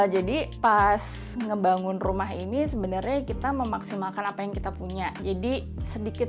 jadi pas ngebangun rumah ini sebenarnya kita memaksimalkan apa yang kita punya jadi sedikit